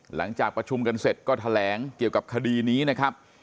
หลังจากประชุมกันเสร็จก็แถลงเกี่ยวกับคดีนี้นะครับ